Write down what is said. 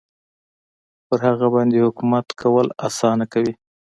پر هغه باندې حکومت کول اسانه کوي.